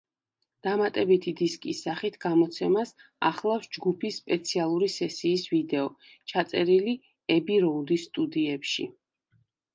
დამატებითი დისკის სახით გამოცემას ახლავს ჯგუფის სპეციალური სესიის ვიდეო, ჩაწერილი ები-როუდის სტუდიებში.